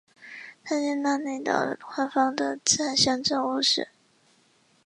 大加那利岛官方的自然象征物是。